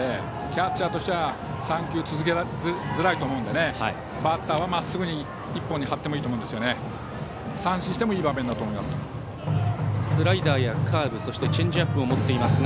キャッチャーとしては３球続けづらいと思うのでバッターは、まっすぐ１本に張ってもいいと思います。